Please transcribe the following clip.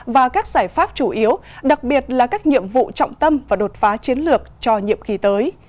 và các giải pháp chủ yếu đặc biệt là các nhiệm vụ trọng tâm và đột phá chiến lược cho nhiệm kỳ tới